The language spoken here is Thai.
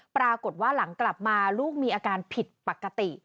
ปรากฏว่าหลังกลับมาลูกมีอาการผิดปกติ